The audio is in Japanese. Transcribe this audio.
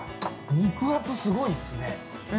◆肉厚すごいっすね。